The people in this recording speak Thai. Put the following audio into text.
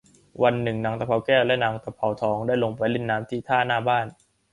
วันหนึ่งนางตะเภาแก้วและนางตะเภาทองได้ลงไปเล่นน้ำที่ท่าหน้าบ้าน